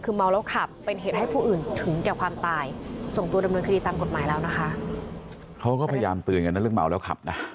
เขาก็พยายามตื่นกันนะเรื่องเมาแล้วขับนะ